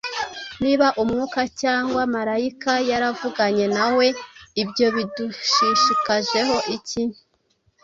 Niba umwuka cyangwa marayika yaravuganye na we, ibyo bidushishikajeho iki?”